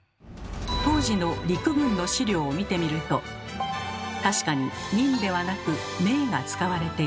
当時の陸軍の資料を見てみると確かに「人」ではなく「名」が使われています。